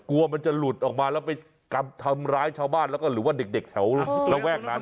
กลัวมันจะหลุดออกมาแล้วไปทำร้ายชาวบ้านแล้วก็หรือว่าเด็กแถวระแวกนั้น